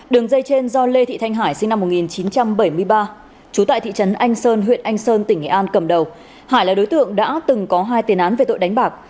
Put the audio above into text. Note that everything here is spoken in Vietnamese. đường dây trên do lê thị thanh hải sinh năm một nghìn chín trăm bảy mươi ba trú tại thị trấn anh sơn huyện anh sơn tỉnh nghệ an cầm đầu hải là đối tượng đã từng có hai tiền án về tội đánh bạc